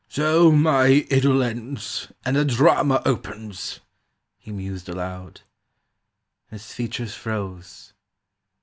"So my idyll ends, And a drama opens!" he mused aloud; And his features froze.